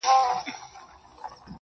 • غلیم د خاوري او د وطن دی -